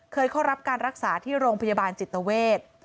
เคยเข้ารับการรักษาที่โรงพยาบาลจิตเวท